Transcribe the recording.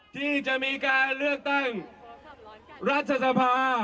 ที่จะมีการเลือกตั้งรัฐสภา